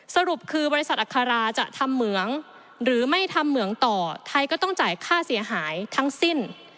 สรุปคือบริษัทอัคราจะทำเหมืองหรือไม่ทำเหมืองต่อไทยก็ต้องจ่ายค่าเสียหายทั้งสิ้น